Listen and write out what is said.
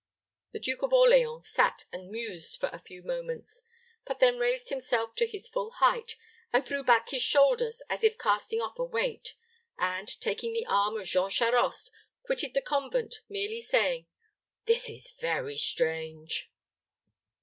The Duke of Orleans sat and mused for a few moments; but then raised himself to his full height, and threw back his shoulders, as if casting off a weight; and, taking the arm of Jean Charost, quitted the convent, merely saying, "This is very strange!"